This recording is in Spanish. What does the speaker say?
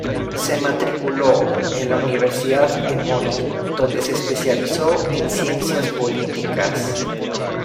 Se matriculó en la Universidad Emory, donde se especializó en ciencias políticas.